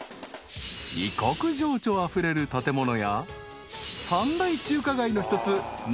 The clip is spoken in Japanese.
［異国情緒あふれる建物や三大中華街の一つ南京町に］